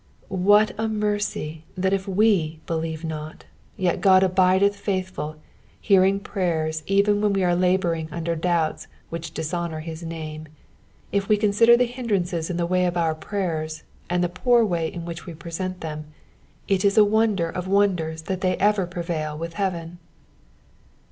What a mercy that if us believe not, yet God abideth faithful, hearing prayer even when we are labouring under doubts which dishonour his name. If we consider the hindrances in the way of our prayers, and the poor way in which we present them, it is a wonder of wonaers that they ever prevail with heaven.